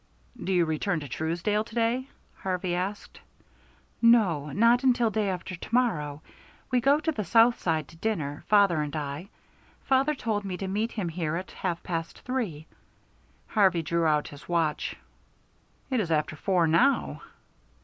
"Do you return to Truesdale to day?" Harvey asked. "No. Not until day after to morrow. We go to the South Side to dinner, father and I. Father told me to meet him here at half past three." Harvey drew out his watch. "It is after four now."